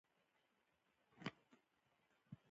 دا خبره باید وشي مخکې له دې چې موږ مخکې لاړ شو